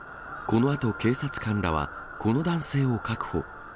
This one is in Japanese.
このあと警察官らは、この男性を確保。